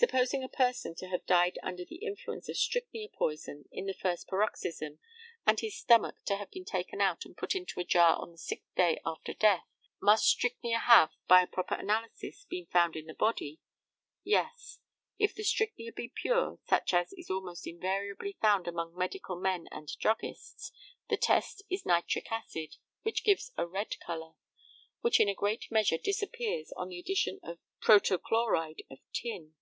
Supposing a person to have died under the influence of strychnia poison in the first paroxysm, and his stomach to have been taken out and put into a jar on the sixth day after death, must strychnia have, by a proper analysis, been found in the body? Yes. If the strychnia be pure, such as is almost invariably found among medical men and druggists, the test is nitric acid, which gives a red colour, which in a great measure disappears on the addition of protochloride of tin.